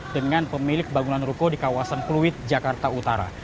dengan pemilik bangunan ruko di kawasan pluit jakarta utara